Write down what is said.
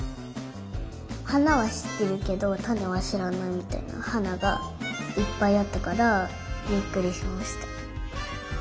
はなはしってるけどたねはしらないみたいなはながいっぱいあったからびっくりしました。